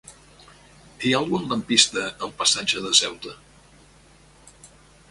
Hi ha algun lampista al passatge de Ceuta?